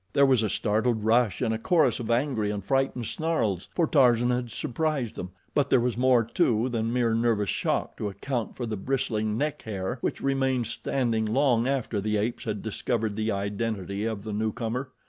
There was a startled rush and a chorus of angry and frightened snarls, for Tarzan had surprised them; but there was more, too, than mere nervous shock to account for the bristling neck hair which remained standing long after the apes had discovered the identity of the newcomer.